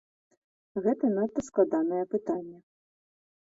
Гэта надта складанае пытанне.